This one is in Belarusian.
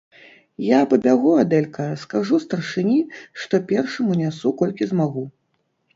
Я пабягу, Адэлька, скажу старшынi, што першым унясу, колькi змагу...